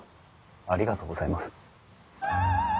ありがとうございます。